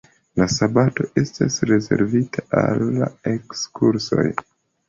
La sabato estis rezervita al ekskursoj.